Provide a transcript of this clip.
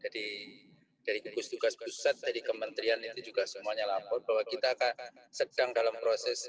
dari gugus tugas pusat dari kementerian itu juga semuanya lapor bahwa kita sedang dalam proses